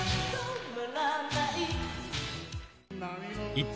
一方、